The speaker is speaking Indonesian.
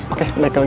oke balik lagi